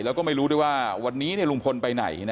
แล้วไม่รู้ว่าวันนี้ลุงพลไปไหน